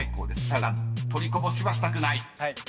ただ取りこぼしはしたくない］